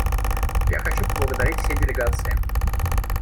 Я хочу поблагодарить все делегации.